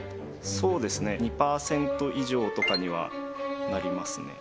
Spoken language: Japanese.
そうですね２％以上とかにはなりますね